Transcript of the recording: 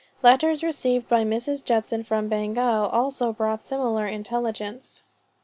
Letters received by Mrs. Judson from Bengal, also brought similar intelligence.